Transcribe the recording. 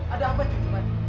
ada apa junjungan